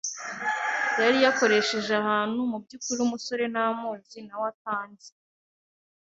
yari yakoresheje ahantu, mu by’ukuri umusore ntamuzi na we atanzi,